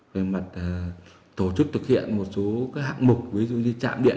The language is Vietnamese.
về mặt tổ chức thực hiện một số các hạng mục ví dụ như chạm điện